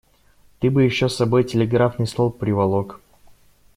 Ты бы еще с собой телеграфный столб приволок.